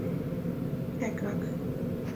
泰伊拉克。